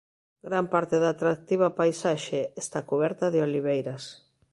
Gran parte da atractiva paisaxe está cuberta de oliveiras.